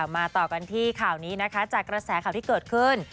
มาต่อกันที่ข่าวนี้นะคะจากกระแสข่าวที่เกิดขึ้น